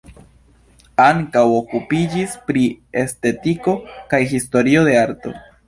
Ankaŭ okupiĝis pri estetiko kaj historio de arto.